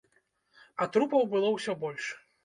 А трупаў было ўсё больш.